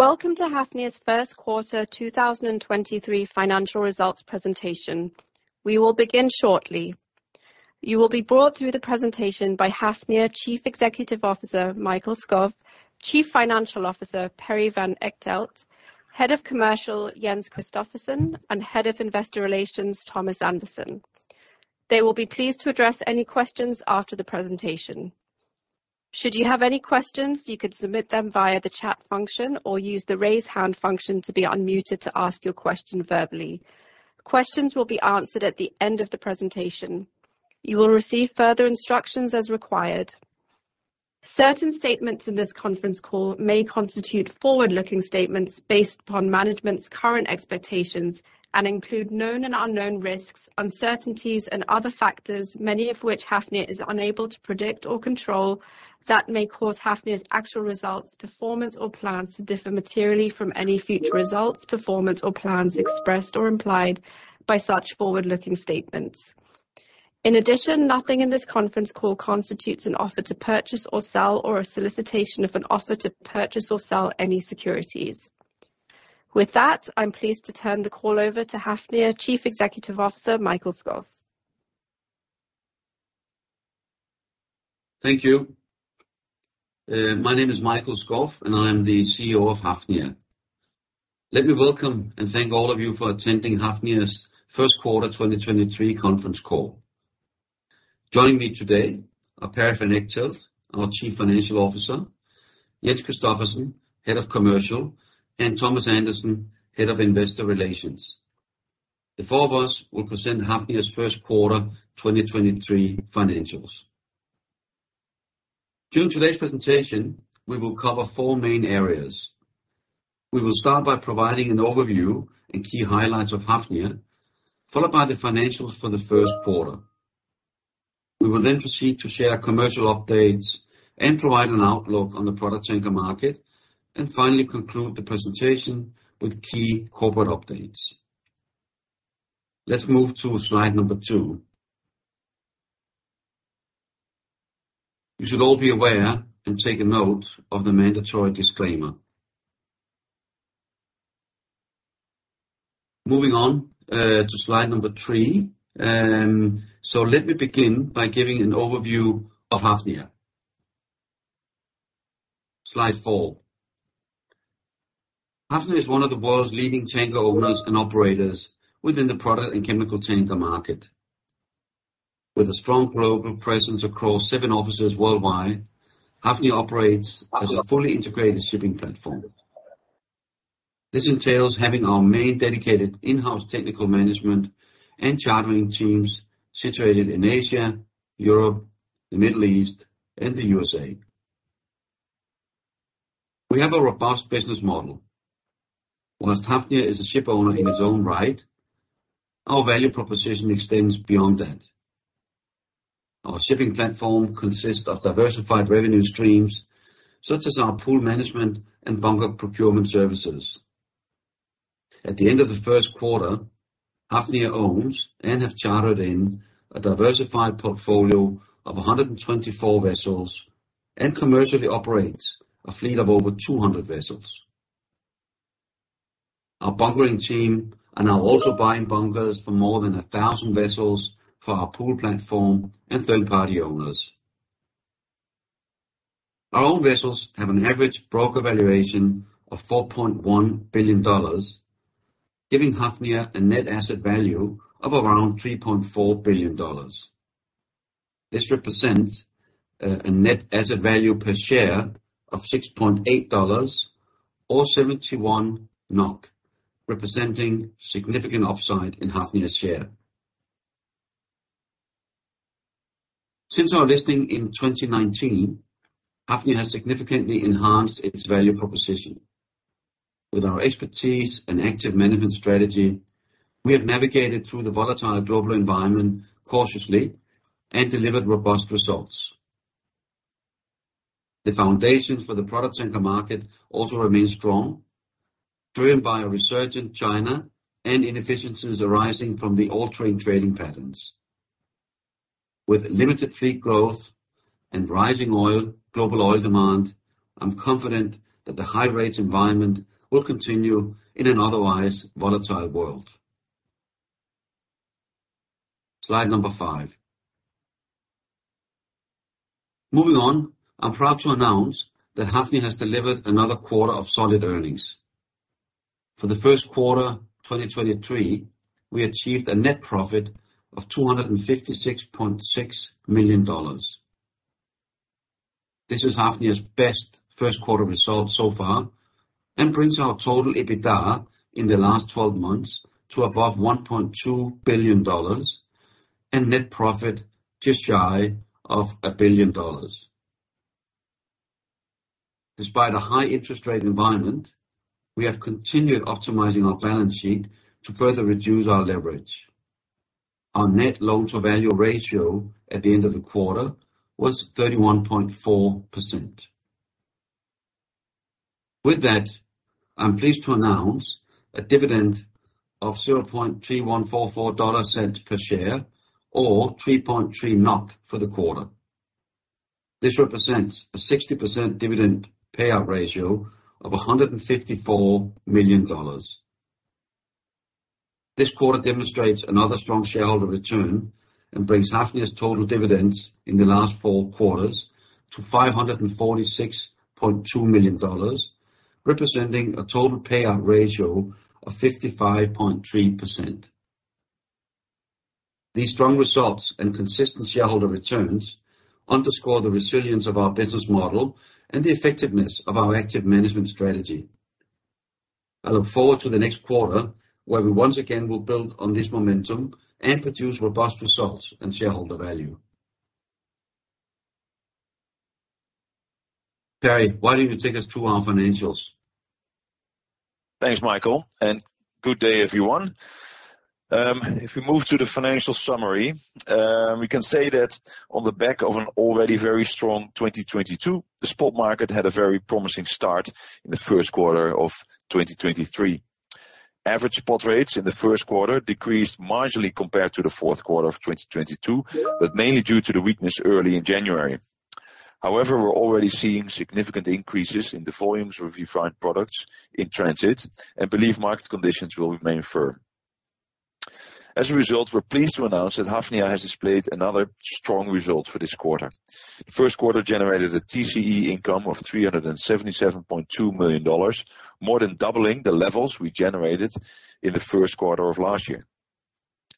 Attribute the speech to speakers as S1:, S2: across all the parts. S1: Welcome to Hafnia's first quarter, 2023 financial results presentation. We will begin shortly. You will be brought through the presentation by Hafnia Chief Executive Officer, Mikael Skov, Chief Financial Officer, Perry van Echtelt, Head of Commercial, Jens Christophersen, and Head of Investor Relations, Thomas Andersen. They will be pleased to address any questions after the presentation. Should you have any questions, you can submit them via the chat function or use the raise hand function to be unmuted to ask your question verbally. Questions will be answered at the end of the presentation. You will receive further instructions as required. Certain statements in this conference call may constitute forward-looking statements based upon management's current expectations and include known and unknown risks, uncertainties and other factors, many of which Hafnia is unable to predict or control that may cause Hafnia's actual results, performance or plans to differ materially from any future results, performance or plans expressed or implied by such forward-looking statements. In addition, nothing in this conference call constitutes an offer to purchase or sell or a solicitation of an offer to purchase or sell any securities. With that, I'm pleased to turn the call over to Hafnia Chief Executive Officer, Mikael Skov.
S2: Thank you. My name is Mikael Skov, and I am the CEO of Hafnia. Let me welcome and thank all of you for attending Hafnia's first quarter 2023 conference call. Joining me today are Perry van Echtelt, our Chief Financial Officer, Jens Christophersen, Head of Commercial, and Thomas Andersen, Head of Investor Relations. The four of us will present Hafnia's first quarter 2023 financials. During today's presentation, we will cover four main areas. We will start by providing an overview and key highlights of Hafnia, followed by the financials for the first quarter. We will then proceed to share commercial updates and provide an outlook on the product tanker market, and finally, conclude the presentation with key corporate updates. Let's move to slide number two. You should all be aware and take a note of the mandatory disclaimer. Moving on to slide number three. Let me begin by giving an overview of Hafnia. Slide four. Hafnia is one of the world's leading tanker owners and operators within the product and chemical tanker market. With a strong global presence across seven offices worldwide, Hafnia operates as a fully integrated shipping platform. This entails having our main dedicated in-house technical management and chartering teams situated in Asia, Europe, the Middle East, and the USA. We have a robust business model. Whilst Hafnia is a ship owner in its own right, our value proposition extends beyond that. Our shipping platform consists of diversified revenue streams such as our pool management and bunker procurement services. At the end of the first quarter, Hafnia owns and have chartered in a diversified portfolio of 124 vessels, and commercially operates a fleet of over 200 vessels. Our bunkering team are now also buying bunkers for more than 1,000 vessels for our pool platform and third-party owners. Our own vessels have an average broker valuation of $4.1 billion, giving Hafnia a net asset value of around $3.4 billion. This represents a net asset value per share of $6.8 or 71 NOK, representing significant upside in Hafnia's share. Since our listing in 2019, Hafnia has significantly enhanced its value proposition. With our expertise and active management strategy, we have navigated through the volatile global environment cautiously and delivered robust results. The foundations for the products and the market also remain strong, driven by a resurgent China and inefficiencies arising from the altering trading patterns. With limited fleet growth and rising oil, global oil demand, I'm confident that the high rates environment will continue in an otherwise volatile world. Slide number five. Moving on, I'm proud to announce that Hafnia has delivered another quarter of solid earnings. For the first quarter 2023, we achieved a net profit of $256.6 million. This is Hafnia's best first quarter result so far and brings our total EBITDA in the last twelve months to above $1.2 billion and net profit just shy of $1 billion. Despite a high interest rate environment, we have continued optimizing our balance sheet to further reduce our leverage. Our net loan-to-value ratio at the end of the quarter was 31.4%. With that, I'm pleased to announce a dividend of $0.003144 per share or 3.3 NOK for the quarter. This represents a 60% dividend payout ratio of $154 million. This quarter demonstrates another strong shareholder return and brings Hafnia's total dividends in the last four quarters to $546.2 million, representing a total payout ratio of 55.3%. These strong results and consistent shareholder returns underscore the resilience of our business model and the effectiveness of our active management strategy. I look forward to the next quarter, where we once again will build on this momentum and produce robust results and shareholder value. Perry, why don't you take us through our financials?
S3: Thanks, Mikael, good day, everyone. If we move to the financial summary, we can say that on the back of an already very strong 2022, the spot market had a very promising start in the first quarter of 2023. Average spot rates in the first quarter decreased marginally compared to the fourth quarter of 2022, mainly due to the weakness early in January. However, we're already seeing significant increases in the volumes of refined products in transit and believe market conditions will remain firm. As a result, we're pleased to announce that Hafnia has displayed another strong result for this quarter. The first quarter generated a TCE income of $377.2 million, more than doubling the levels we generated in the first quarter of last year.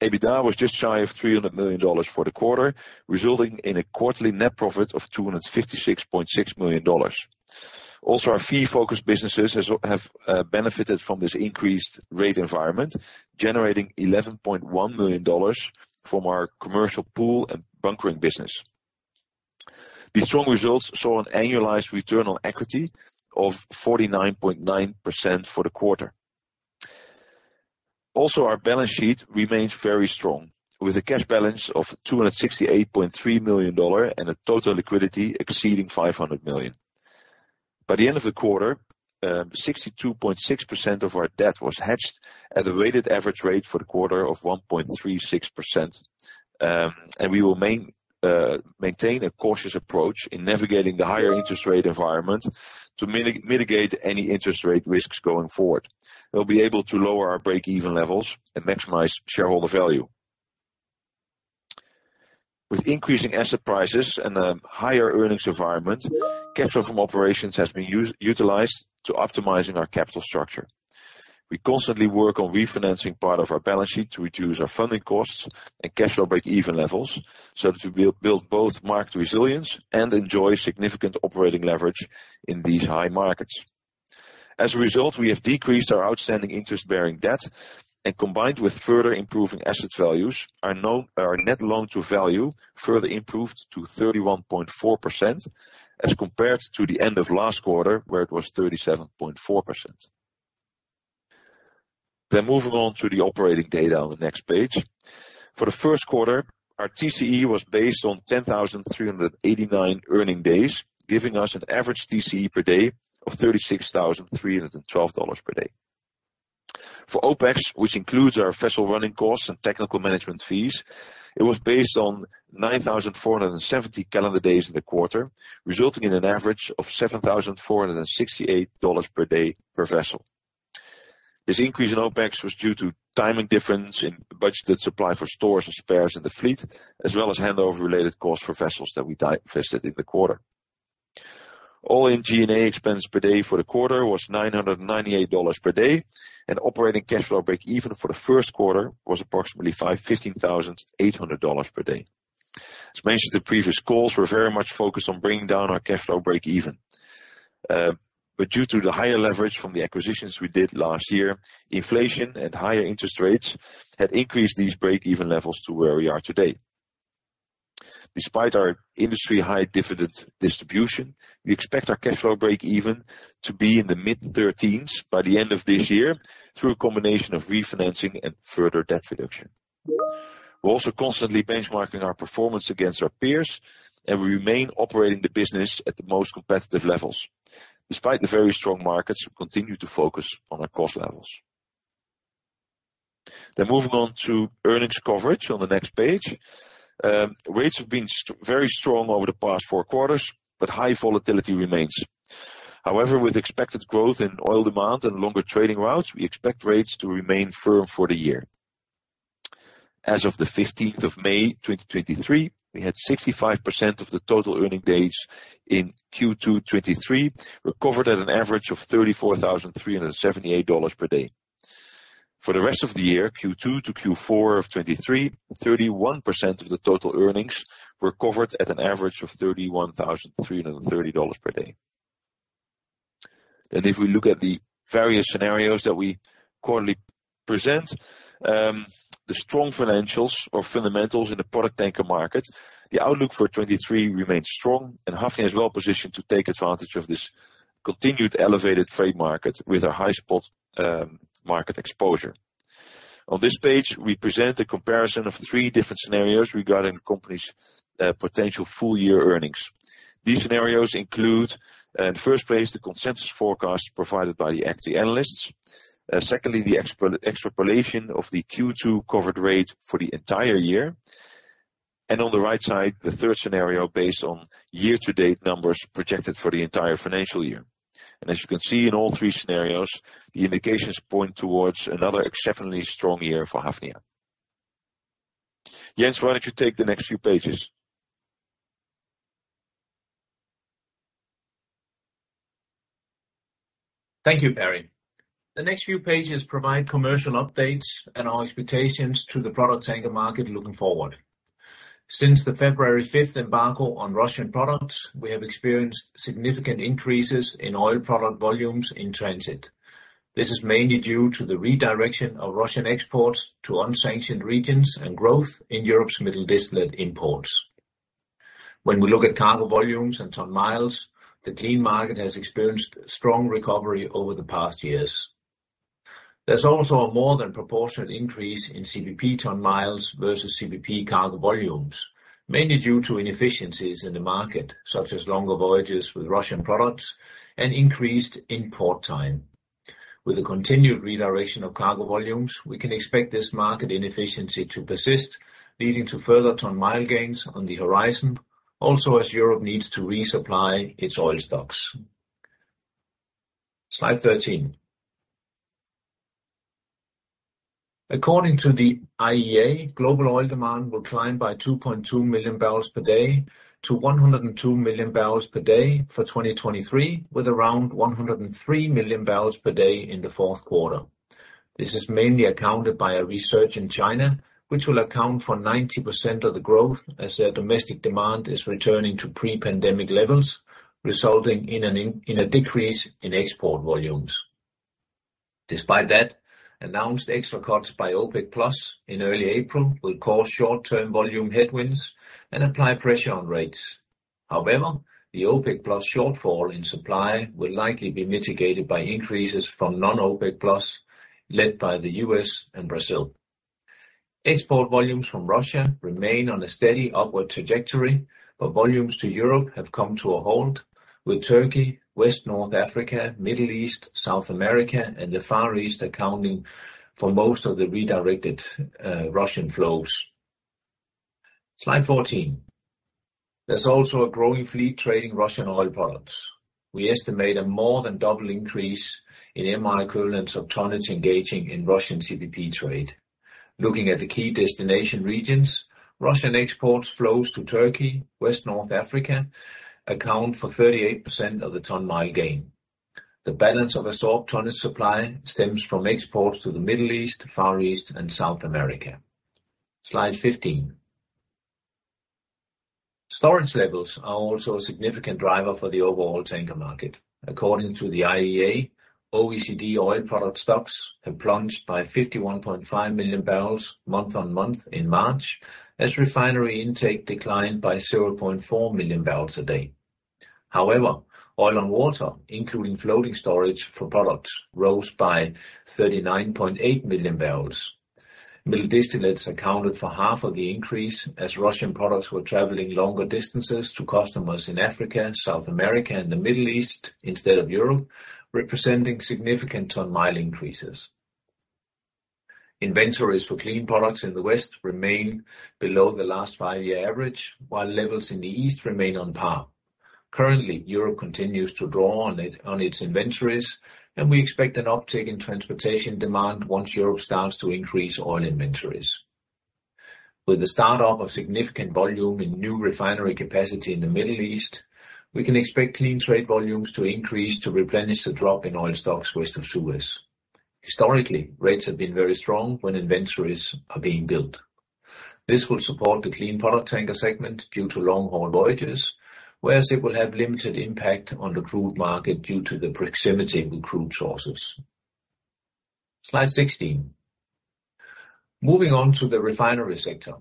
S3: EBITDA was just shy of $300 million for the quarter, resulting in a quarterly net profit of $256.6 million. Our fee-focused businesses have benefited from this increased rate environment, generating $11.1 million from our commercial pool and bunkering business. These strong results saw an annualized return on equity of 49.9% for the quarter. Our balance sheet remains very strong, with a cash balance of $268.3 million and a total liquidity exceeding $500 million. By the end of the quarter, 62.6% of our debt was hedged at a weighted average rate for the quarter of 1.36%. We will maintain a cautious approach in navigating the higher interest rate environment to mitigate any interest rate risks going forward. We'll be able to lower our break-even levels and maximize shareholder value. With increasing asset prices and a higher earnings environment, cash flow from operations has been utilized to optimizing our capital structure. We constantly work on refinancing part of our balance sheet to reduce our funding costs and cash flow break-even levels so that we build both market resilience and enjoy significant operating leverage in these high markets. As a result, we have decreased our outstanding interest-bearing debt, and combined with further improving asset values, our net loan-to-value further improved to 31.4% as compared to the end of last quarter, where it was 37.4%. Moving on to the operating data on the next page. For the first quarter, our TCE was based on 10,389 earning days, giving us an average TCE per day of $36,312 per day. For OPEX, which includes our vessel running costs and technical management fees, it was based on 9,470 calendar days in the quarter, resulting in an average of $7,468 per day per vessel. This increase in OPEX was due to timing difference in budgeted supply for stores and spares in the fleet, as well as handover-related costs for vessels that we divested in the quarter. All-in G&A expense per day for the quarter was $998 per day. Operating cash flow break even for the first quarter was approximately $15,800 per day. As mentioned in the previous calls, we're very much focused on bringing down our cash flow break even. Due to the higher leverage from the acquisitions we did last year, inflation and higher interest rates had increased these break even levels to where we are today. Despite our industry-high dividend distribution, we expect our cash flow break even to be in the mid-thirteens by the end of this year through a combination of refinancing and further debt reduction. We're also constantly benchmarking our performance against our peers. We remain operating the business at the most competitive levels. Despite the very strong markets, we continue to focus on our cost levels. Moving on to earnings coverage on the next page. Rates have been very strong over the past four quarters, but high volatility remains. However, with expected growth in oil demand and longer trading routes, we expect rates to remain firm for the year. As of the 15th of May, 2023, we had 65% of the total earning days in Q2 2023 recovered at an average of $34,378 per day. For the rest of the year, Q2 to Q4 of 2023, 31% of the total earnings were covered at an average of $31,330 per day. If we look at the various scenarios that we quarterly present, the strong financials or fundamentals in the product tanker market, the outlook for 2023 remains strong and Hafnia is well-positioned to take advantage of this continued elevated freight market with a high spot market exposure. On this page, we present a comparison of three different scenarios regarding the company's potential full year earnings. These scenarios include, in first place, the consensus forecast provided by the equity analysts. Secondly, the extrapolation of the Q2 covered rate for the entire year. On the right side, the third scenario based on year-to-date numbers projected for the entire financial year. As you can see in all three scenarios, the indications point towards another exceptionally strong year for Hafnia. Jens, why don't you take the next few pages?
S4: Thank you, Perry. The next few pages provide commercial updates and our expectations to the product tanker market looking forward. Since the February 5th embargo on Russian products, we have experienced significant increases in oil product volumes in transit. This is mainly due to the redirection of Russian exports to unsanctioned regions and growth in Europe's middle distillate imports. When we look at cargo volumes and ton miles, the clean market has experienced strong recovery over the past years. There's also a more than proportionate increase in CPP ton miles versus CPP cargo volumes, mainly due to inefficiencies in the market, such as longer voyages with Russian products and increased import time. With the continued redirection of cargo volumes, we can expect this market inefficiency to persist, leading to further ton mile gains on the horizon, also as Europe needs to resupply its oil stocks. Slide 13. According to the IEA, global oil demand will climb by 2.2 MMbpd to 102 MMbpd for 2023, with around 103 MMbpd in the fourth quarter. This is mainly accounted by a resurge in China, which will account for 90% of the growth as their domestic demand is returning to pre-pandemic levels, resulting in a decrease in export volumes. Despite that, announced extra cuts by OPEC+ in early April will cause short-term volume headwinds and apply pressure on rates. However, the OPEC+ shortfall in supply will likely be mitigated by increases from non-OPEC+, led by the U.S. and Brazil. Export volumes from Russia remain on a steady upward trajectory, but volumes to Europe have come to a halt, with Turkey, West and North Africa, Middle East, South America, and the Far East accounting for most of the redirected Russian flows. Slide 14. There's also a growing fleet trading Russian oil products. We estimate a more than double increase in MR equivalent soaked tonnage engaging in Russian CPP trade. Looking at the key destination regions, Russian exports flows to Turkey, West and North Africa account for 38% of the ton miles gain. The balance of absorbed tonnage supply stems from exports to the Middle East, Far East, and South America. Slide 15. Storage levels are also a significant driver for the overall tanker market. According to the IEA, OECD oil product stocks have plunged by 51.5 million barrels month-on-month in March, as refinery intake declined by 0.4 million barrels a day. However, oil on water, including floating storage for products, rose by 39.8 million barrels. Middle distillates accounted for half of the increase as Russian products were traveling longer distances to customers in Africa, South America, and the Middle East instead of Europe, representing significant ton mile increases. Inventories for clean products in the West remain below the last five-year average, while levels in the East remain on par. Currently, Europe continues to draw on its inventories. We expect an uptick in transportation demand once Europe starts to increase oil inventories. With the start up of significant volume in new refinery capacity in the Middle East, we can expect clean trade volumes to increase to replenish the drop in oil stocks west of Suez. Historically, rates have been very strong when inventories are being built. This will support the clean product tanker segment due to long-haul voyages, whereas it will have limited impact on the crude market due to the proximity with crude sources. Slide 16. Moving on to the refinery sector.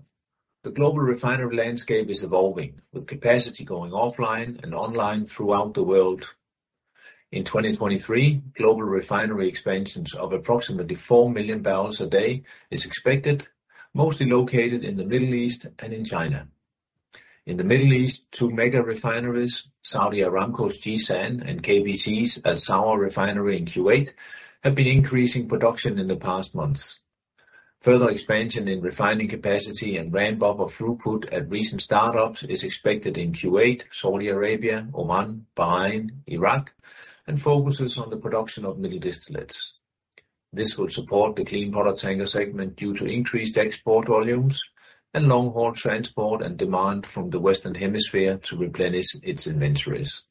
S4: The global refinery landscape is evolving, with capacity going offline and online throughout the world. In 2023, global refinery expansions of approximately 4 million barrels a day is expected, mostly located in the Middle East and in China. In the Middle East, two mega refineries, Saudi Aramco's Jizan and KPC's Al-Zour refinery in Kuwait, have been increasing production in the past months. Further expansion in refining capacity and ramp up of throughput at recent startups is expected in Kuwait, Saudi Arabia, Oman, Bahrain, Iraq, and focuses on the production of middle distillates. This will support the clean product tanker segment due to increased export volumes and long-haul transport and demand from the Western Hemisphere to replenish its inventories.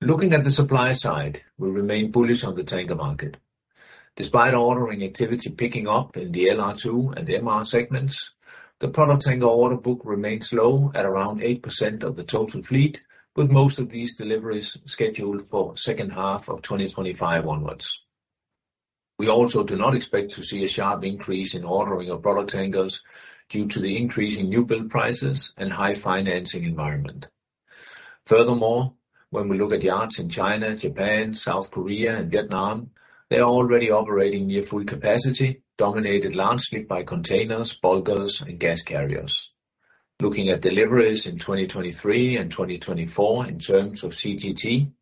S4: Looking at the supply side, we remain bullish on the tanker market. Despite ordering activity picking up in the LR2 and MR segments, the product tanker order book remains low at around 8% of the total fleet, with most of these deliveries scheduled for second half of 2025 onwards. We also do not expect to see a sharp increase in ordering of product tankers due to the increase in new build prices and high financing environment. Furthermore, when we look at yards in China, Japan, South Korea and Vietnam, they are already operating near full capacity, dominated largely by containers, bulkers and gas carriers. Looking at deliveries in 2023 and 2024 in terms of CGT,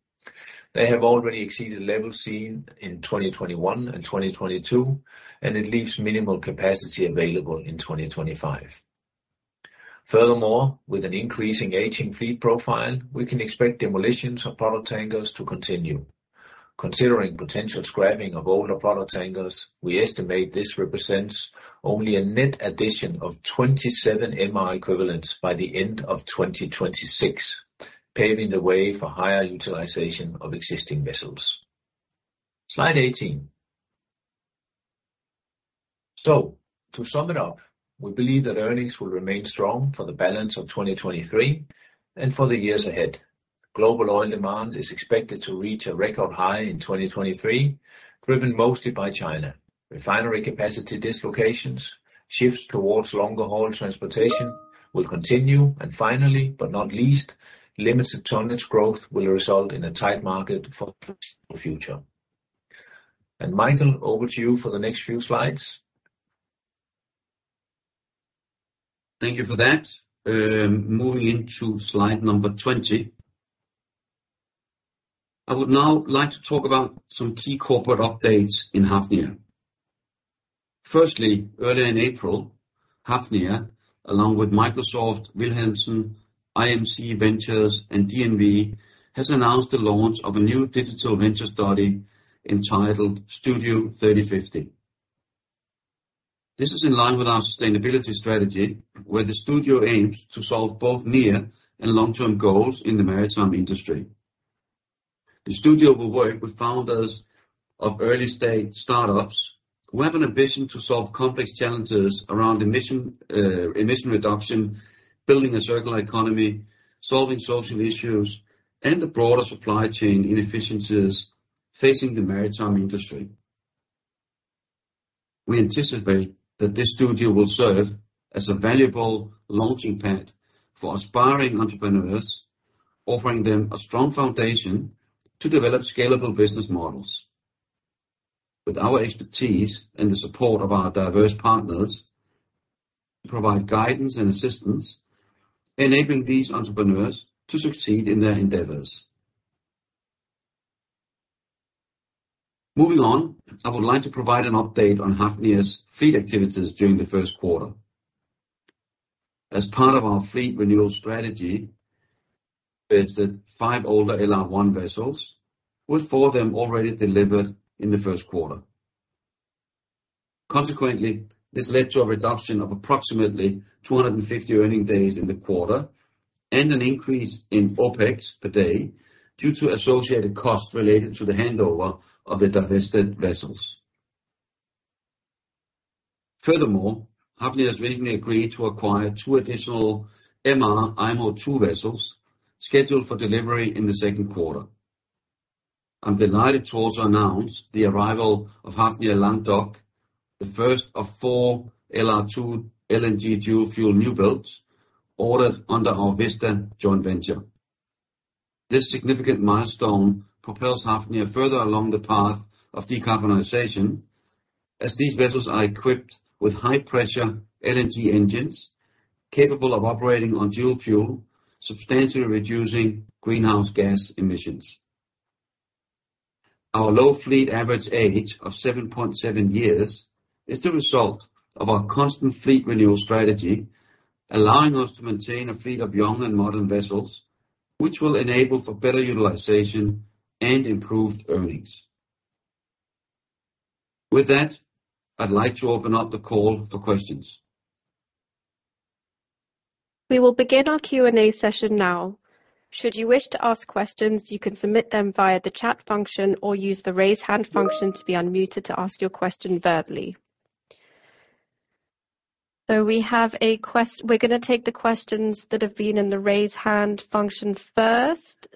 S4: they have already exceeded levels seen in 2021 and 2022, and it leaves minimal capacity available in 2025. Furthermore, with an increasing aging fleet profile, we can expect demolitions of product tankers to continue. Considering potential scrapping of older product tankers, we estimate this represents only a net addition of 27 MR equivalents by the end of 2026, paving the way for higher utilization of existing vessels. Slide 18. To sum it up, we believe that earnings will remain strong for the balance of 2023 and for the years ahead. Global oil demand is expected to reach a record high in 2023, driven mostly by China. Refinery capacity dislocations, shifts towards longer haul transportation will continue, and finally, but not least, limited tonnage growth will result in a tight market for the foreseeable future. Mikael, over to you for the next few slides.
S2: Thank you for that. Moving into slide number 20. I would now like to talk about some key corporate updates in Hafnia. Firstly, earlier in April, Hafnia, along with Microsoft, Wilhelmsen, IMC Ventures and DNV, has announced the launch of a new digital venture studio entitled Studio 3050. This is in line with our sustainability strategy, where the studio aims to solve both near and long-term goals in the maritime industry. The studio will work with founders of early stage startups who have an ambition to solve complex challenges around emission reduction, building a circular economy, solving social issues, and the broader supply chain inefficiencies facing the maritime industry. We anticipate that this studio will serve as a valuable launching pad for aspiring entrepreneurs, offering them a strong foundation to develop scalable business models. With our expertise and the support of our diverse partners, provide guidance and assistance enabling these entrepreneurs to succeed in their endeavors. Moving on, I would like to provide an update on Hafnia's fleet activities during the first quarter. As part of our fleet renewal strategy, we divested five older LR1 vessels, with four of them already delivered in the first quarter. Consequently, this led to a reduction of approximately 250 earning days in the quarter and an increase in OpEx per day due to associated costs related to the handover of the divested vessels. Furthermore, Hafnia has recently agreed to acquire two additional MR IMO II vessels scheduled for delivery in the second quarter. I'm delighted to also announce the arrival of Hafnia Languedoc, the first of 4 LR2 LNG dual-fuel newbuilds ordered under our Vista joint venture. This significant milestone propels Hafnia further along the path of decarbonization, as these vessels are equipped with high pressure LNG engines capable of operating on dual fuel, substantially reducing greenhouse gas emissions. Our low fleet average age of 7.7 years is the result of our constant fleet renewal strategy, allowing us to maintain a fleet of young and modern vessels, which will enable for better utilization and improved earnings. With that, I'd like to open up the call for questions.
S1: We will begin our Q&A session now. Should you wish to ask questions, you can submit them via the chat function or use the raise hand function to be unmuted to ask your question verbally. We're gonna take the questions that have been in the raise hand function first.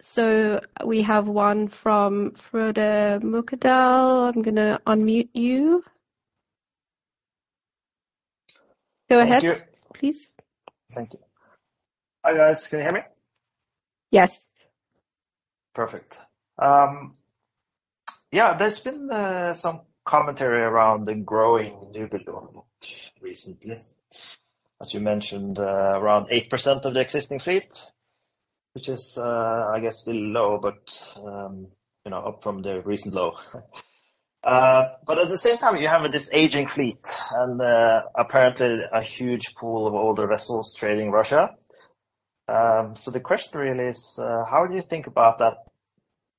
S1: We have one from Frode Mørkedal. I'm gonna unmute you. Go ahead, please.
S5: Thank you. Hi, guys. Can you hear me?
S1: Yes.
S5: Perfect. Yeah, there's been some commentary around the growing newbuild order book recently. As you mentioned, around 8% of the existing fleet, which is, I guess still low, but, you know, up from the recent low. At the same time, you have this aging fleet and, apparently a huge pool of older vessels trading Russia. The question really is, how do you think about that,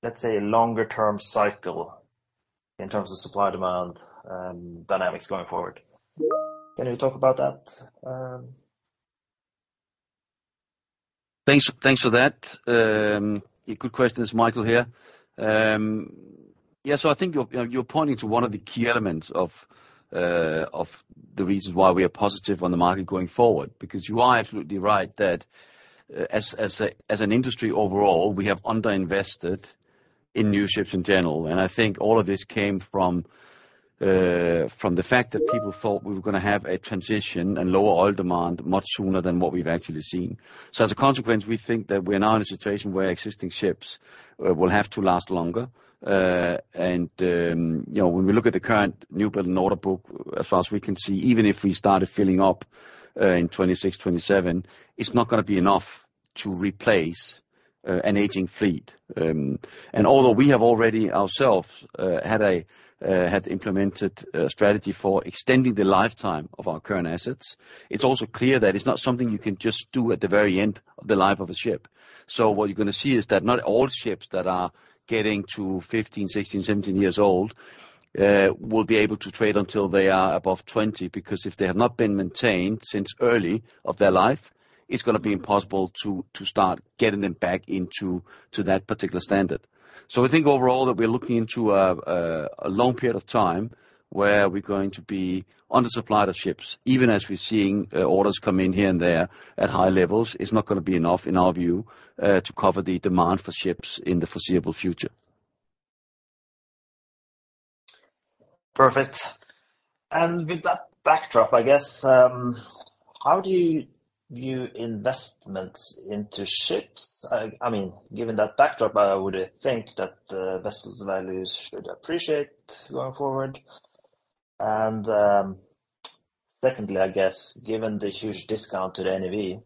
S5: let's say longer term cycle in terms of supply demand, dynamics going forward? Can you talk about that?
S2: Thanks, thanks for that. good questions, Michael here. yeah, I think you're pointing to one of the key elements of the reasons why we are positive on the market going forward, because you are absolutely right that as an industry overall, we have under invested In new ships in general. I think all of this came from the fact that people thought we were gonna have a transition and lower oil demand much sooner than what we've actually seen. As a consequence, we think that we're now in a situation where existing ships will have to last longer. You know, when we look at the current newbuild and order book, as far as we can see, even if we started filling up in 26, 27, it's not gonna be enough to replace an aging fleet. Although we have already ourselves had implemented a strategy for extending the lifetime of our current assets, it's also clear that it's not something you can just do at the very end of the life of a ship. What you're gonna see is that not all ships that are getting to 15, 16, 17 years old will be able to trade until they are above 20. If they have not been maintained since early of their life, it's gonna be impossible to start getting them back into that particular standard. We think overall that we're looking into a long period of time where we're going to be under supplied of ships, even as we're seeing orders come in here and there at high levels, it's not gonna be enough, in our view, to cover the demand for ships in the foreseeable future.
S5: Perfect. With that backdrop, I guess, how do you view investments into ships? I mean, given that backdrop, I would think that the vessels values should appreciate going forward. Secondly, I guess, given the huge discount to the NAV,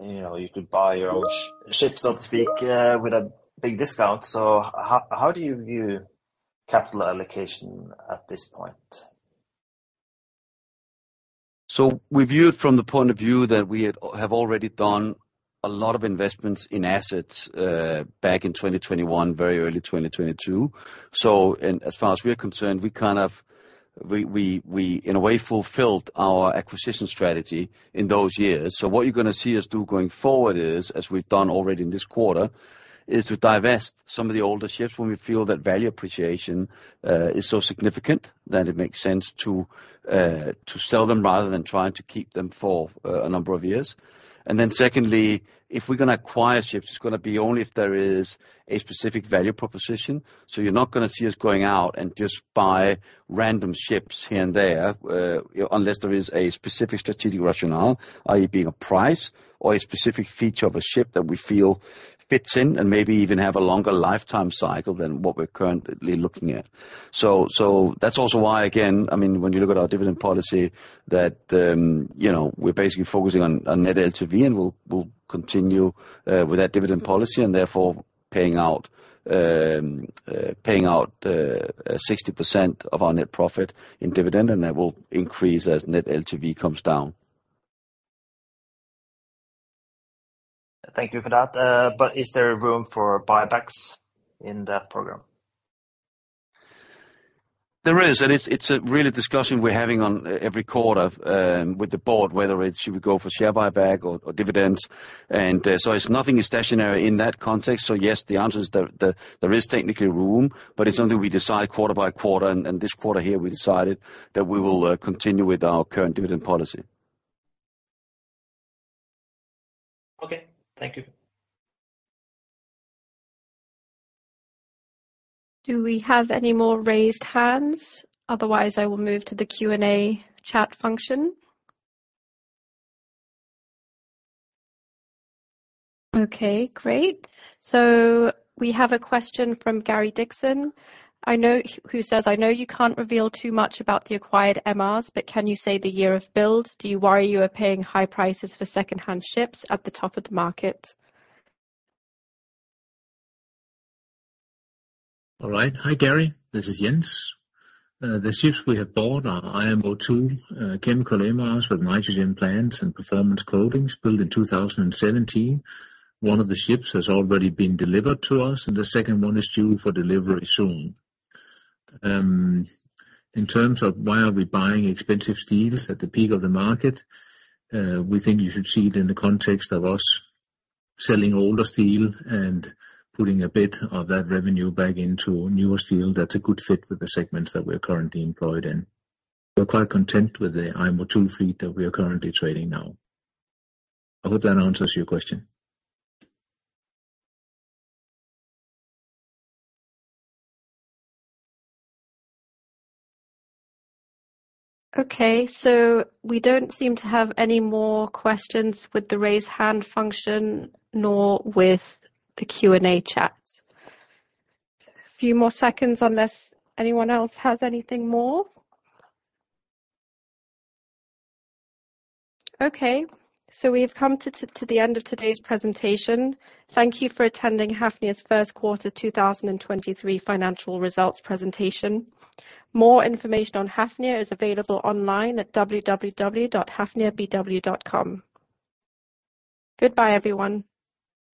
S5: you know, you could buy your own ships, so to speak, with a big discount. How do you view capital allocation at this point?
S2: We view it from the point of view that we have already done a lot of investments in assets back in 2021, very early 2022. As far as we are concerned, we kind of, we in a way fulfilled our acquisition strategy in those years. What you're gonna see us do going forward is, as we've done already in this quarter, is to divest some of the older ships when we feel that value appreciation is so significant that it makes sense to sell them rather than trying to keep them for a number of years. Secondly, if we're gonna acquire ships, it's gonna be only if there is a specific value proposition. You're not gonna see us going out and just buy random ships here and there, you know, unless there is a specific strategic rationale, i.e., being a price or a specific feature of a ship that we feel fits in and maybe even have a longer lifetime cycle than what we're currently looking at. That's also why, again, I mean, when you look at our dividend policy that, you know, we're basically focusing on net LTV, and we'll continue with that dividend policy and therefore paying out 60% of our net profit in dividend, and that will increase as net LTV comes down.
S5: Thank you for that. Is there room for buybacks in that program?
S2: There is, and it's a really discussion we're having on every quarter, with the board, whether it should we go for share buyback or dividends. So it's nothing is stationary in that context. Yes, the answer is there is technically room, but it's something we decide quarter by quarter. This quarter here we decided that we will continue with our current dividend policy.
S5: Okay. Thank you.
S1: Do we have any more raised hands? Otherwise, I will move to the Q&A chat function. Okay, great. We have a question from Gary Dixon. Who says, "I know you can't reveal too much about the acquired MRs, but can you say the year of build? Do you worry you are paying high prices for secondhand ships at the top of the market?
S4: All right. Hi, Gary. This is Jens. The ships we have bought are IMO II chemical MRs with nitrogen plants and performance coatings built in 2017. One of the ships has already been delivered to us, and the second one is due for delivery soon. In terms of why are we buying expensive steel at the peak of the market, we think you should see it in the context of us selling older steel and putting a bit of that revenue back into newer steel that's a good fit with the segments that we're currently employed in. We're quite content with the IMO II fleet that we are currently trading now. I hope that answers your question.
S1: We don't seem to have any more questions with the raise hand function nor with the Q&A chat. A few more seconds unless anyone else has anything more. Okay, we have come to the end of today's presentation. Thank you for attending Hafnia's first quarter 2023 financial results presentation. More information on Hafnia is available online at www.hafniabw.com. Goodbye, everyone.